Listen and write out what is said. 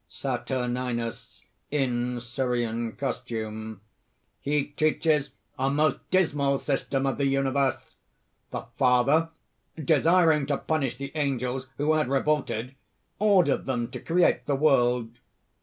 SATURNINUS (in Syrian costume). "He teaches a most dismal system of the universe!... The Father, desiring to punish the angels who had revolted, ordered them to create the world.